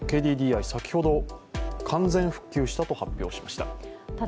ＫＤＤＩは先ほど、完全復旧したと発表しました。